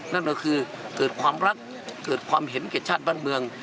นั่นก็คือเกิดความรักเกิดความเห็นแก่ชาติบ้านเมือง